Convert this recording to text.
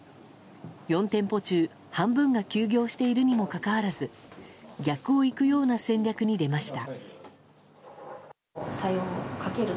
４店舗中半分が休業しているにもかかわらず逆をいくような戦略に出ました。